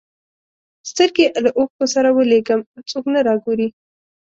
سترګي له اوښکو سره ولېږم څوک نه را ګوري